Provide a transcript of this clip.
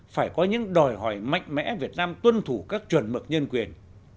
phải có những đòi hỏi mạnh mẽ việt nam tuân thủ các chuẩn mực nhân quyền